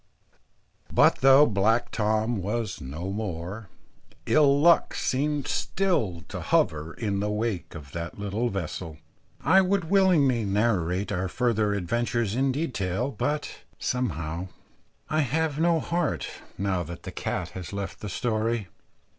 But though black Tom was no more, ill luck seemed still to hover in the wake of that little vessel. I would willingly narrate our further adventures in detail, but somehow I have no heart, now that the cat has left the story.